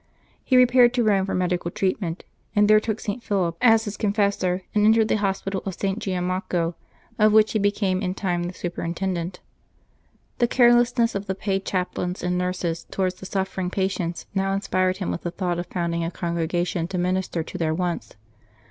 He repaired to Rome for medical treatment, and there took St. Philip as his con 2M LIVES OF THE SAINTS [July 19 lessor, and entered the hospital of St. Giaeomo, of which he became in time the superintendent. The carelessness of the paid chaplains and nurses towards the suffering patients now inspired him with the thought of founding a congregation to minister to their wants.